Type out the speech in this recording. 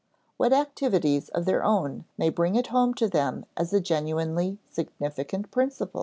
What activities of their own may bring it home to them as a genuinely significant principle?